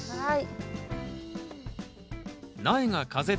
はい。